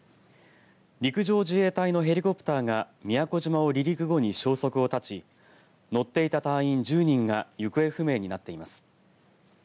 陸上自衛隊のヘリコプターが宮古島を離陸後に消息を絶ち乗っていた隊員１０人が行方不明になっています。